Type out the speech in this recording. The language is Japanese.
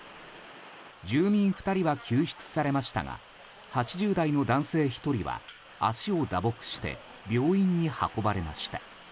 住民２人は救出されましたが８０代の男性１人は足を打撲して病院に運ばれました。